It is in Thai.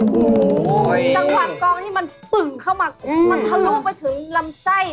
ต่างหวัดกลองที่มันปึ่งเข้ามามันทะลุกไปถึงลำไส้